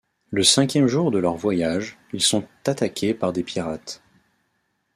Le cinquième jour de leur voyage, ils sont attaqués par des pirates.